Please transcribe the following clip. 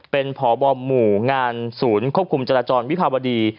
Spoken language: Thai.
เป็นพบหมู่งานศูนย์ควบคุมจราจรวิภาวดี